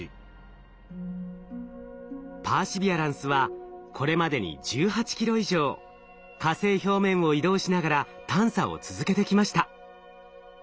パーシビアランスはこれまでに１８ｋｍ以上火星表面を移動しながら探査を続けてきました。